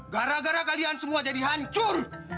gara gara kalian semua jadi hancur